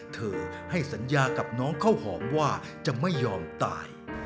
ให้สัญญากับน้องข้าวหอมว่าจะไม่ยอมตาย